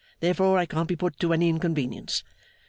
Therefore I can't be put to any inconvenience.